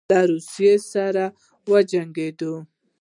له روسیې سره وجنګېدی.